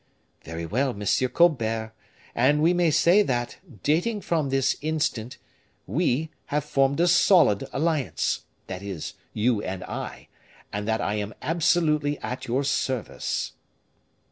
"Very well, Monsieur Colbert, and we may say, that, dating from this instant, we have formed a solid alliance, that is, you and I, and that I am absolutely at your service."